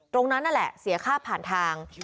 ตรงนั้นนั่นแหละเสียค่าผ่านทาง